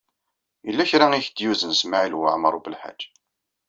Yella kra i ak-d-yuzen Smawil Waɛmaṛ U Belḥaǧ.